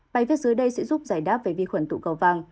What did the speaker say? bài viết dưới đây sẽ giúp giải đáp về vi khuẩn tụ cầu vàng